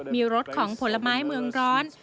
มีรสของผลไม้เมืองร้อน